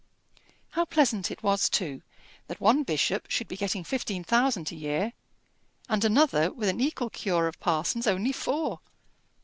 How pleasant it was, too, that one bishop should be getting fifteen thousand a year and another with an equal cure of parsons only four!